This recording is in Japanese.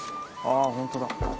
ああホントだ。